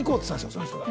その人が。